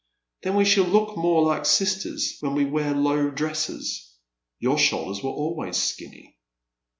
" Then we shall look more Uke sisters when we wear low dresses. Your shoulders were always skinny."